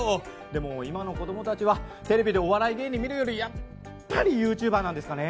でも今の子供たちはテレビでお笑い芸人見るよりやっぱりユーチューバーなんですかね？